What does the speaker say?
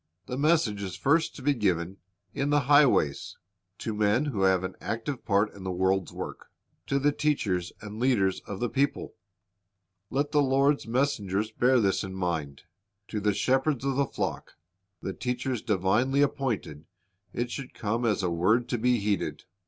The message is first to be given "in the highways," — to men who have an active part in the world's work, to the teachers and leaders of the people. 230 C ]i r 2 s / 's bj c c t L c s s o )i s Let the Lord's messengers bear this in mind. To the shepherds of the flock, the teachers divinely appointed, it should come as a word to be heeded.